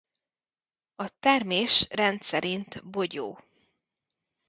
A termés rendszerint bogyó.